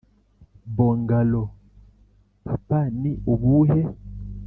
'bongaloo, papa ni ubuhe?'